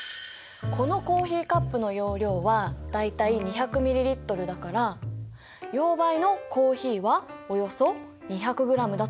このコーヒーカップの容量は大体２００ｍＬだから溶媒のコーヒーはおよそ２００ｇだと考えて。